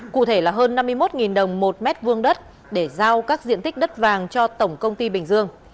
cụ thể là hơn năm mươi một đồng một mét vuông đất để giao các diện tích đất vàng cho tổng công ty bình dương